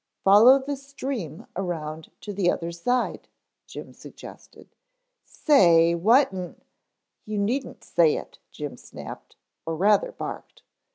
"Follow the stream around to the other side," Jim suggested. "Say, what in " "You needn't say it," Jim snapped, or rather barked.